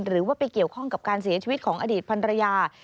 หรือว่าไปเกี่ยวข้องกับการเสียชีวิตของอดีตพันรยา